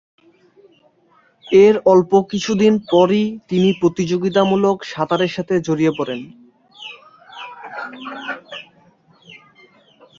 এর অল্প কিছুদিন পরই তিনি প্রতিযোগিতামূলক সাঁতারের সাথে জড়িয়ে পড়েন।